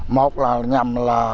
một là nhằm là